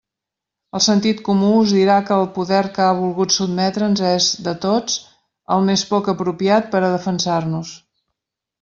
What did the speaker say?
El sentit comú us dirà que el poder que ha volgut sotmetre'ns és, de tots, el més poc apropiat per a defensar-nos.